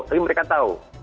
tapi mereka tahu